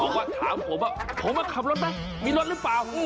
เราก็ถามผมว่าผมก็ขับรถมีรถหรือเปล่า